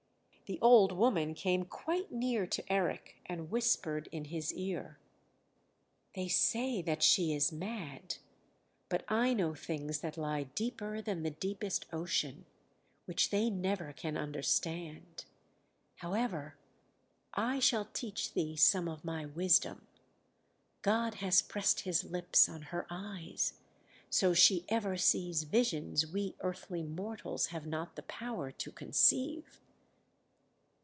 The old woman came quite near to Eric and whispered in his ear: "They say that she is mad; but I know things that lie deeper than the deepest ocean, which they never can understand; however, I shall teach thee some of my wisdom: God has pressed His lips on her eyes, so she ever sees visions we earthly mortals have not the power to conceive.